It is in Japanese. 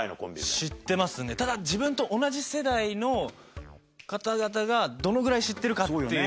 ただ自分と同じ世代の方々がどのぐらい知ってるかっていう。